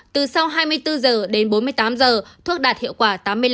từ sau hai mươi bốn giờ đến bốn mươi tám giờ thuốc đạt hiệu quả tám mươi năm